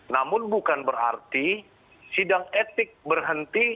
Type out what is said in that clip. namun bukan berarti sidang etik berhenti